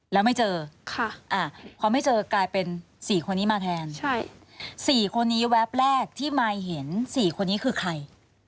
แล้วไม่เจอพอไม่เจอกลายเป็น๔คนนี้มาแทน๔คนนี้แวบแรกที่มายเห็น๔คนนี้คือใคร